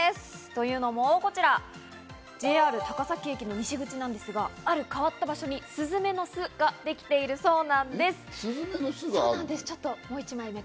というのも、こちらＪＲ高崎駅の西口なんですが、ある変わった場所にスズメの巣ができているそうなんです。